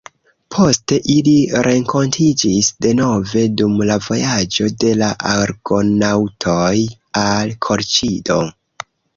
Poste ili renkontiĝis denove dum la vojaĝo de la argonaŭtoj al Kolĉido.